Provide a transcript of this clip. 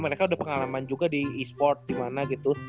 mereka udah pengalaman juga di esports dimana gitu